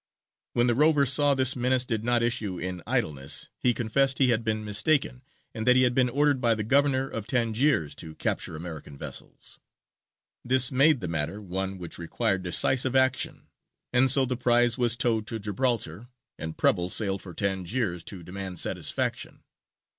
When the rover saw this menace did not issue in idleness, he confessed he had been mistaken, and that he had been ordered by the Governor of Tangiers to capture American vessels. This made the matter one which required decisive action, and so the prize was towed to Gibraltar, and Preble sailed for Tangiers to demand satisfaction.